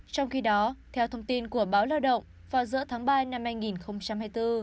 trong khi đó theo thông tin của báo lao động vào giữa tháng ba năm hai nghìn hai mươi bốn